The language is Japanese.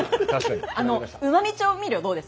うまみ調味料どうですか？